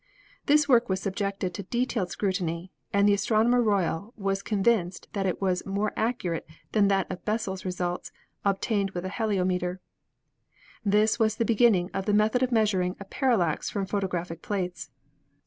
This work was subjected to detailed scrutiny, and the Astronomer Royal was convinced that it was more accurate than that of Bessel's results, ob tained with the heliometer. This was the beginning of the method of measuring a parallax from photographic plates.